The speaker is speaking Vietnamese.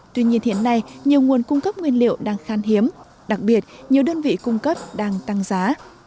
tuy nhiên hiện nay nhiều nguồn cung cấp nguyên liệu đang khan hiếm đặc biệt nhiều đơn vị cung cấp đang tăng giá